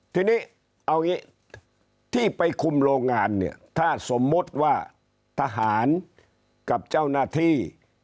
ทีนี้เอางี้ที่ไปคุมโรงงานเนี่ยถ้าสมมุติว่าทหารกับเจ้าหน้าที่